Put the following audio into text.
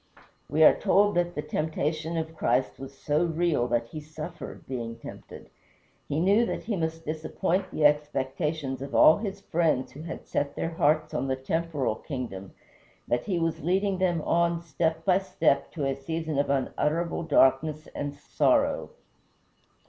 We are told that the temptation of Christ was so real that he suffered, being tempted. He knew that he must disappoint the expectations of all his friends who had set their hearts on the temporal kingdom, that he was leading them on step by step to a season of unutterable darkness and sorrow.